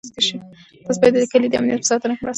تاسو باید د کلي د امنیت په ساتنه کې مرسته وکړئ.